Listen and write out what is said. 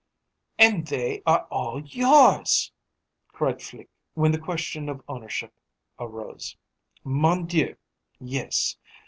"And they are all yours!" cried Flique, when the question of ownership arose. "Mon Dieu, yes!